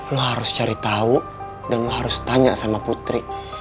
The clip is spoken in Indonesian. lo harus cari tahu dan lo harus tanya sama putri